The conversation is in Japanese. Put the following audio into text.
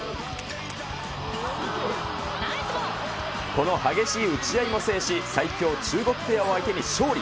この激しい打ち合いも制し、最強中国ペアを相手に勝利。